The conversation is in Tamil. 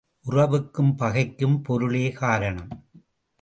உறவுக்கும் பகைக்கும் பொருளே காரணம்.